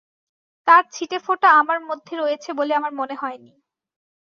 তার ছিটেফোঁটা আমার মধ্যে রয়েছে বলে আমার মনে হয়নি।